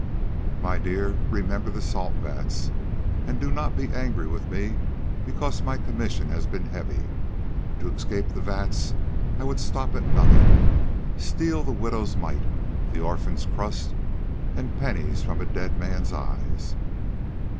"My dear, remember the salt vats, and do not be angry with me because my commissions have been heavy. To escape the vats I would stop at nothing steal the widow's mite, the orphan's crust, and pennies from a dead man's eyes."